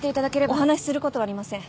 お話しすることはありません。